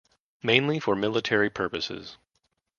Mainly for military purposes.